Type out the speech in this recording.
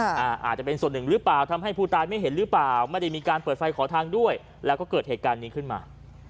อาจจะเป็นส่วนหนึ่งหรือเปล่าทำให้ผู้ตายไม่เห็นหรือเปล่าไม่ได้มีการเปิดไฟขอทางด้วยแล้วก็เกิดเหตุการณ์นี้ขึ้นมา